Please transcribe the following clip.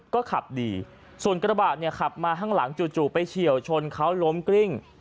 ก็ขับดีส่วนกระบะเนี่ยขับมาข้างหลังจู่ไปเฉียวชนเขาล้มกริ้ง